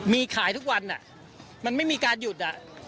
มีขายทุกวันมันไม่มีการหยุด